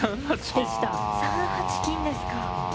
３八金ですか。